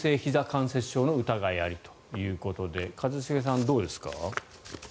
関節症の疑いありということで一茂さん、どうですか？